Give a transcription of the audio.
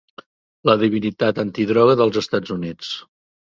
La divinitat antidroga dels Estats Units.